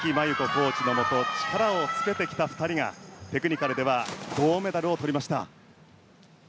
コーチのもと力をつけてきた２人がテクニカルでは銅メダルをとりました。